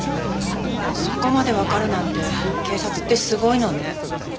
そこまでわかるなんて警察ってすごいのね。